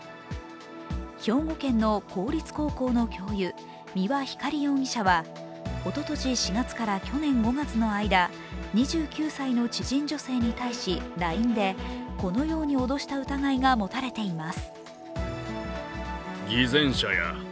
兵庫県の公立高校の教諭三輪光容疑者はおととし４月から去年５月の間、２９歳の知人女性に対しＬＩＮＥでこのように脅した疑いが持たれています。